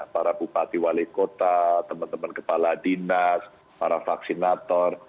para bupati wali kota teman teman kepala dinas para vaksinator